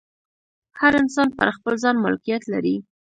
هر انسان پر خپل ځان مالکیت لري.